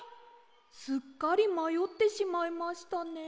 すっかりまよってしまいましたね。